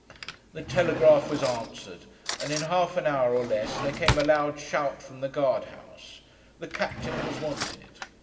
The telegraph was answered, and in half an hour or less, there came a loud shout from the guard house. The captain was wanted.